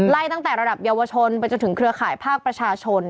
ตั้งแต่ระดับเยาวชนไปจนถึงเครือข่ายภาคประชาชน